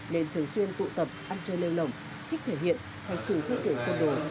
nên thường xuyên tụ tập ăn chơi lê lồng thích thể hiện hành xử thương tội côn đồ